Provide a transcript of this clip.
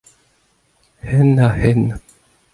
Henn-ha-henn.